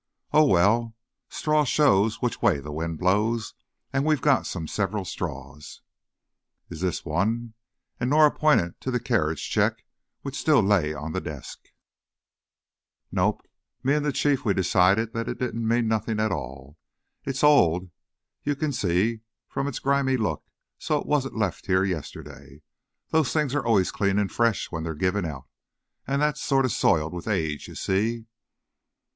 Oh, well, straws show which way the wind blows, and we've got some several straws!" "Is this one?" and Norah pointed to the carriage check, which still lay on the desk. [Illustration: Carriage Check/The Electric Carriage Call Co.] "Nope. Me and the Chief, we decided that didn't mean nothing at all. It's old, you can see, from its grimy look, so it wasn't left here yesterday. Those things are always clean and fresh when they're given out, and that's sorta soiled with age, you see."